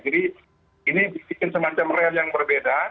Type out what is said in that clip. jadi ini bikin semacam real yang berbeda